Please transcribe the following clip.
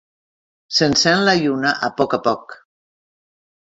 S'encén la lluna a poc a poc.